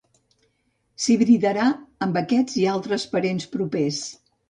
S'hibridarà amb aquests i altres parents propers.